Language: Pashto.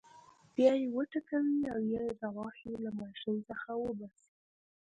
بیا یې وټکوئ او یا یې د غوښې له ماشین څخه وباسئ.